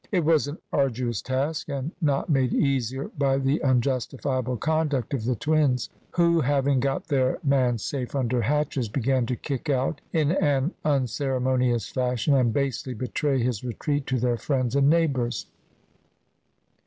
It was an arduous task, and not made easier by the unjustifiable conduct of the twins, who having got their man safe under hatches began to kick out in an unceremonious fashion and basely betray his retreat to their friends and neighbours.